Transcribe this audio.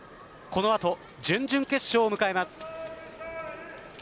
この後、準々決勝を迎えます。